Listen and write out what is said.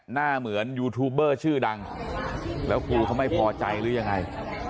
หน้าเหมือนยูทูบเบอร์ชื่อดังแล้วครูเขาไม่พอใจหรือยังไง